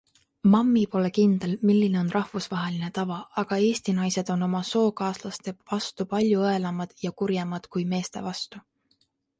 Mammi pole kindel, milline on rahvusvaheline tava, aga Eesti naised on oma sookaaslaste vastu palju õelamad ja kurjemad kui meeste vastu.